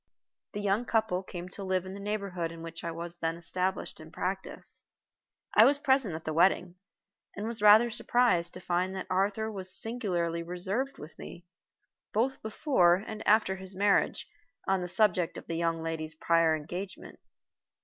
The young couple came to live in the neighborhood in which I was then established in practice. I was present at the wedding, and was rather surprised to find that Arthur was singularly reserved with me, both before and after his marriage, on the subject of the young lady's prior engagement.